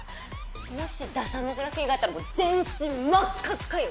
もしダサーモグラフィーがあったらもう全身真っ赤っかよ！